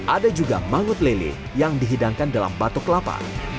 ada juga mangut lele yang dihidangkan dalam batuk kelapa